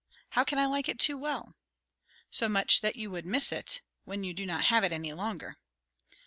"How can I like it too well?" "So much that you would miss it, when you do not have it any longer."